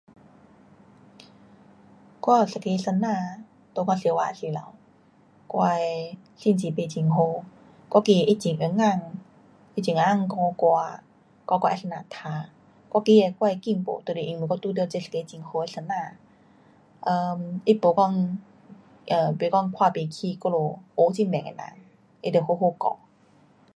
我有一个先生在我小学时候，我的成绩没很好，我记得他很用心很用心教我。教我啊怎样读，我会记得我的进步就是遇到这一个很好的老师。嗯，他没讲 um 没讲看不起我们学很慢的人，他就好好教。